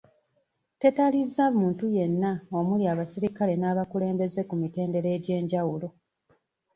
Tetalizza muntu yenna omuli abaserikale n'abakulembeze ku mitendera egy'enjawulo.